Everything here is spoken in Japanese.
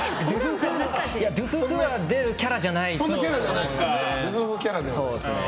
ドゥフフが出るキャラじゃないですね。